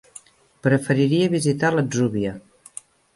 Preferiria visitar l'Atzúbia.